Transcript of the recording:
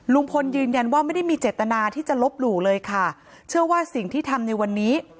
ลุงพลยืนยันว่าไม่ได้มีเจตนาที่จะลบหลู่เลยค่ะเชื่อว่าสิ่งที่ทำในวันนี้